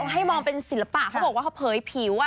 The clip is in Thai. ให้มองเป็นศิลปะเขาบอกว่าเขาเผยผิว